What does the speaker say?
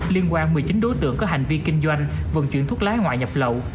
liên quan một mươi chín đối tượng có hành vi kinh doanh vận chuyển thuốc láo ngoài nhập lộ